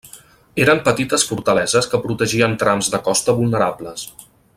Eren petites fortaleses que protegien trams de costa vulnerables.